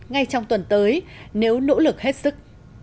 ngay trong tuần tới nếu nỗ lực hết sức